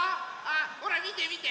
ほらみてみて！